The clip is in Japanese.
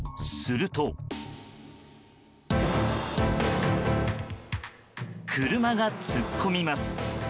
すると、車が突っ込みます。